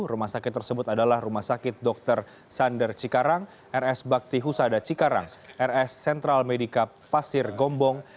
rumah sakit tersebut adalah rumah sakit dr sander cikarang rs bakti husada cikarang rs sentral medica pasir gombong